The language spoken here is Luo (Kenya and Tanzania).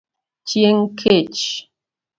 Chieng kech.